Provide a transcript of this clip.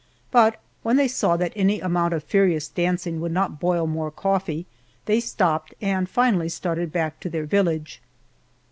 But when they saw that any amount of furious dancing would not boil more coffee, they stopped, and finally started back to their village.